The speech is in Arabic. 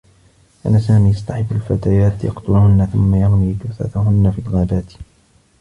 كان سامي يصطحب الفتيات، يقتلهنّ ثمّ يرمي جثثهنّ في الغابات.